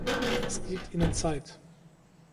Das gibt Ihnen Zeit.